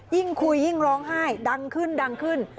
ยิ่งคุยยิ่งร้องไห้ดังขึ้น